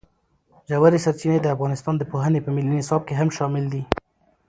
ژورې سرچینې د افغانستان د پوهنې په ملي نصاب کې هم شامل دي.